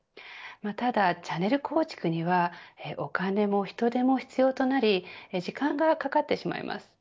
ただ、チャネル構築にはお金も人手も必要となり時間がかかってしまいます。